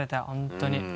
本当に。